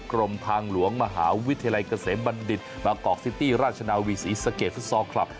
กรมทางหลวงมหาวิทยาลัยเกษมบัณฑิตมากอกซิตี้ราชนาวีศรีสะเกดฟุตซอลคลับ